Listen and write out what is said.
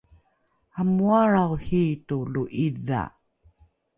amooalrao hiito lo’idha